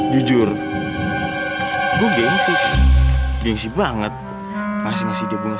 jujur gue gengsi gengsi banget pasti ngasih dia bunuh segala